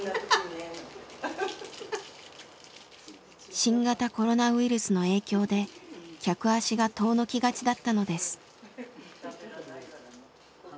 新型コロナウイルスの影響で客足が遠のきがちだったのです。